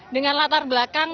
dengan latar belakang